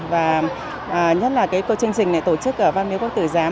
và nhất là chương trình này tổ chức ở văn miếu quốc tử giám